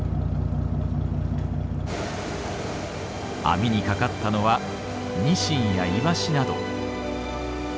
網にかかったのはニシンやイワシなど。